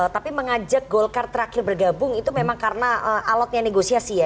tapi mengajak golkar terakhir bergabung itu memang karena alotnya negosiasi ya